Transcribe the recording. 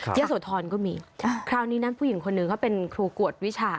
เยอะโสธรก็มีคราวนี้นะผู้หญิงคนหนึ่งเขาเป็นครูกวดวิชา